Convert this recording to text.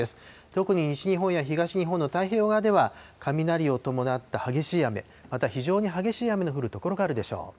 特に西日本や東日本の太平洋側では雷を伴った激しい雨、また非常に激しい雨の降る所があるでしょう。